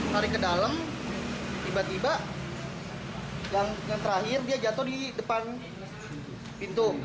lari ke dalam tiba tiba yang terakhir dia jatuh di depan pintu